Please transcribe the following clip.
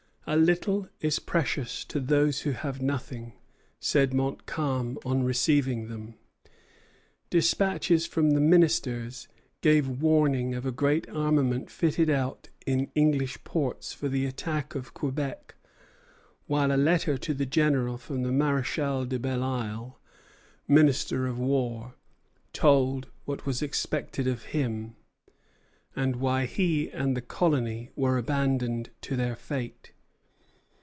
"A little is precious to those who have nothing," said Montcalm on receiving them. Despatches from the ministers gave warning of a great armament fitted out in English ports for the attack of Quebec, while a letter to the General from the Maréchal de Belleisle, minister of war, told what was expected of him, and why he and the colony were abandoned to their fate.